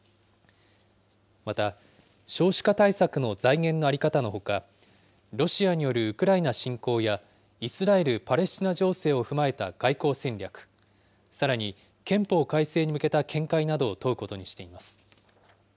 また、少子化対策の財源の在り方のほか、ロシアによるウクライナ侵攻や、イスラエル・パレスチナ情勢を踏まえた外交戦略、さらに、憲法改正に向けた見解などを問うことにしています。